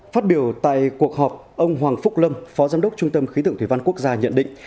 phát biểu tại cuộc họp ông hoàng phúc lâm phó giám đốc trung tâm khí tượng thủy văn quốc gia nhận định